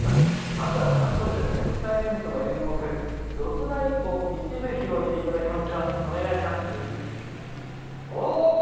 まずは早速ですね六斎念仏の演目「四つ太鼓」を一部披露していただきます。